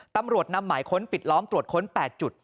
ตำรวจนำหมายค้นปิดล้อมตรวจค้น๘จุด